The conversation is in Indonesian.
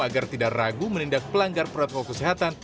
agar tidak ragu menindak pelanggar protokol kesehatan